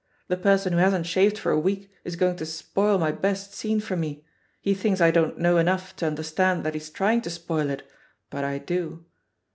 The person who hasn't shaved for a week is going to spoil my best scene for me; he thinks I don't know enough to understand that he's trying to spoil it, but I do.'